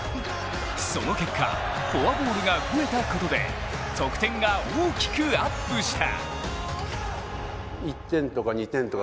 その結果、フォアボールが増えたことで得点が大きくアップした。